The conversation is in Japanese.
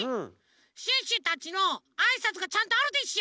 シュッシュたちのあいさつがちゃんとあるでしょ！